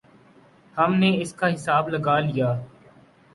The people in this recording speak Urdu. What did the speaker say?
ہم نے اس کا حساب لگا لیا۔